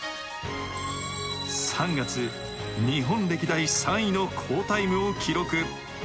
３月、日本歴代３位の好タイムを記録。